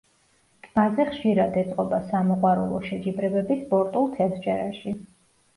ტბაზე ხშირად ეწყობა სამოყვარულო შეჯიბრებები სპორტულ თევზჭერაში.